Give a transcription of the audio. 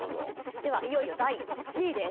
ではいよいよ第１位です。